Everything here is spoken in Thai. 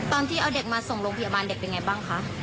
ตอนที่เอาเด็กมาส่งโรงพยาบาลเด็กเป็นไงบ้างคะ